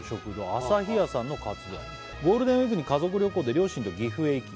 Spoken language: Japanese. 朝日屋さんのカツ丼」「ゴールデンウイークに家族旅行で両親と岐阜へ行き」